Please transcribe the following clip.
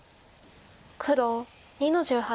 黒２の十八。